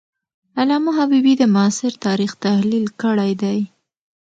علامه حبیبي د معاصر تاریخ تحلیل کړی دی.